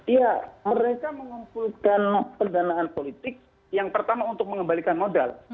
ya mereka mengumpulkan pendanaan politik yang pertama untuk mengembalikan modal